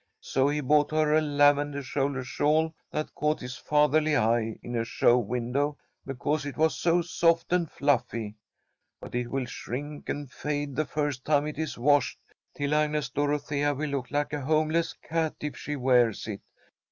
So he bought her a lavender shoulder shawl that caught his fatherly eye in a show window, because it was so soft and fluffy. But it will shrink and fade the first time it is washed till Agnes Dorothea will look like a homeless cat if she wears it.